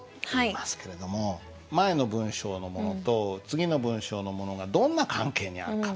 前の文章のものと次の文章のものがどんな関係にあるか？